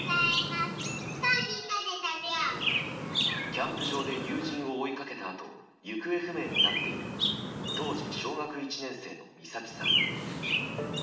キャンプ場で友人を追いかけたあと行方不明になっている当時小学１年生の美咲さん。